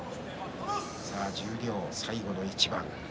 十両、最後の一番。